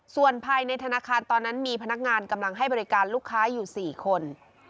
ส่วนภายในธนาคารตอนนั้นมีพนักงานกำลังให้บริการลูกค้าอยู่๔คน